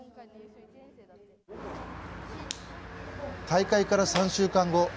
大会から３週間後。